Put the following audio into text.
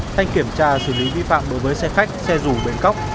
thanh kiểm tra xử lý vi phạm đối với xe khách xe dù bến cóc